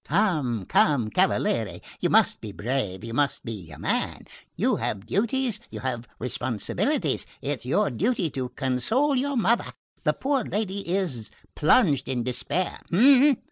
"Come, come, cavaliere, you must be brave you must be a man; you have duties, you have responsibilities. It's your duty to console your mother the poor lady is plunged in despair.